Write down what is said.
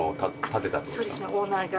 そうですねオーナーが。